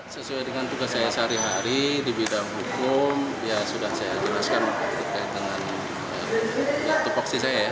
saya sehari hari di bidang hukum ya sudah saya jelaskan terkait dengan itu paksis saya ya